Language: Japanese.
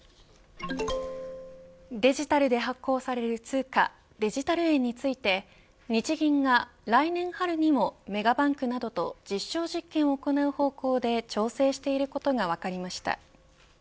デジタルで発行される通貨デジタル円について日銀が来年春にもメガバンクなどと実証実験を行う方向で調整していることが分かりました。